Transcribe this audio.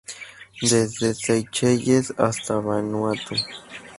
Desde Seychelles hasta Vanuatu.